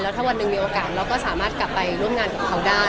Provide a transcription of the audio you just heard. ถ้าวันหนึ่งมีโอกาสเราก็สามารถกลับไปร่วมงานกับเขาได้